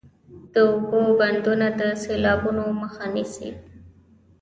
د اوبو بندونه د سیلابونو مخه نیسي